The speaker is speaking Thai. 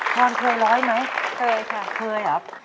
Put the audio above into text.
พรเคยร้อยไหมเคยครับ